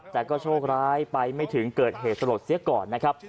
แต่ก็โชคร้ายไปไม่ถึงเกิดเหตุสลดเสียก่อนนะครับ